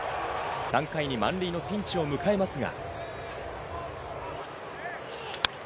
３回に満塁のピンチを迎えますが。